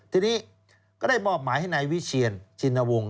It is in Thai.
ทีนี้ก็ได้มอบหมายให้นายวิเชียนชินวงศ